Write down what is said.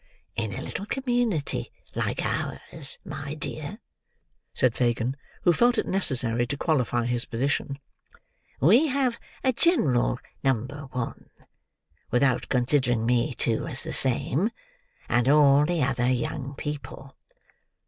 "In a little community like ours, my dear," said Fagin, who felt it necessary to qualify this position, "we have a general number one, without considering me too as the same, and all the other young people."